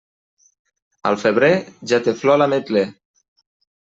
Al febrer, ja té flor l'ametler.